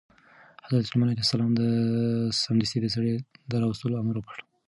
حضرت سلیمان علیه السلام سمدستي د سړي د راوستلو امر وکړ.